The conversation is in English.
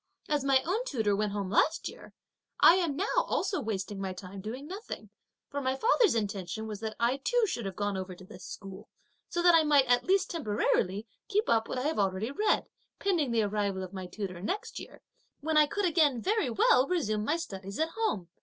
As my own tutor went home last year, I am now also wasting my time doing nothing; my father's intention was that I too should have gone over to this school, so that I might at least temporarily keep up what I have already read, pending the arrival of my tutor next year, when I could again very well resume my studies alone at home.